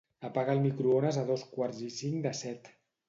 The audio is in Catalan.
Apaga el microones a dos quarts i cinc de set.